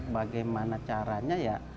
bagaimana caranya ya